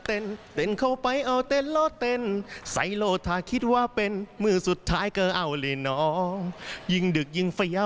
เพลงได้อยู่แต่แดนเซอร์ข้างพี่เจนเน็ตเขียวไม่เกี่ยวนะจ๊ะ